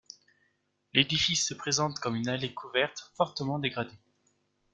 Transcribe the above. L'édifice se présente comme une allée couverte fortement dégradée.